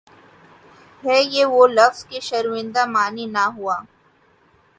ہے یہ وہ لفظ کہ شرمندۂ معنی نہ ہوا